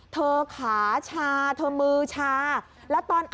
เธอขาชาเธอมือชา